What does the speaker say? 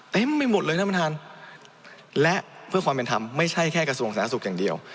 ไม่หมดเลยท่านประธานและเพื่อความเป็นธรรมไม่ใช่แค่กระทรวงสาธารณสุขอย่างเดียว